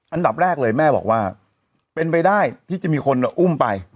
อันดับแรกเลยแม่บอกว่าเป็นไปได้ที่จะมีคนอุ้มไป